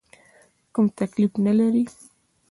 کوم تکلیف نه لرې؟